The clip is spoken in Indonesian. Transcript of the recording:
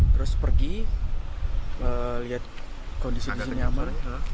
terus pergi lihat kondisi di sini aman